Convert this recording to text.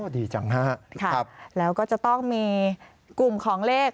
ดีจังฮะครับแล้วก็จะต้องมีกลุ่มของเลข